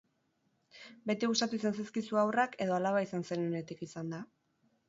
Beti gustatu izan zaizkizu haurrak edo alaba izan zenuenetik izan da?